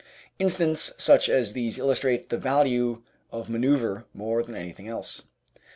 Incidents such as these illustrate the value of manoeuvre more than anything else.